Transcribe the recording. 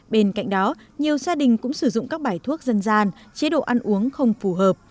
bên cạnh đó nhiều gia đình cũng sử dụng các bài thuốc dân gian chế độ ăn uống không phù hợp